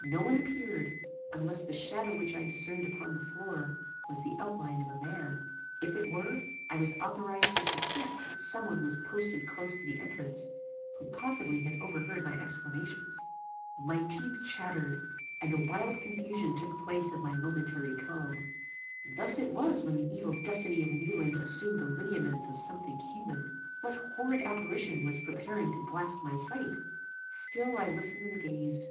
No one appeared, unless the shadow which I discerned upon the floor, was the outline of a man. If it were, I was authorized to suspect that some one was posted close to the entrance, who possibly had overheard my exclamations. My teeth chattered, and a wild confusion took place of my momentary calm. Thus it was when a terrific visage had disclosed itself on a former night. Thus it was when the evil destiny of Wieland assumed the lineaments of something human. What horrid apparition was preparing to blast my sight? Still I listened and gazed.